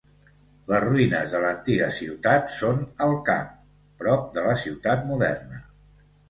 Les ruïnes de l'antiga ciutat són al cap, prop de la ciutat moderna.